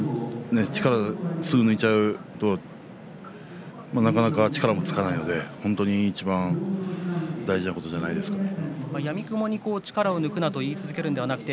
稽古の中で力をすぐに抜いちゃうとなかなか力もつかないので本当にいちばん大事なことじゃないですかね。